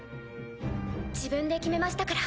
自分で決めましたから。